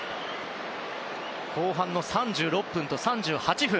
後半３６分と３８分。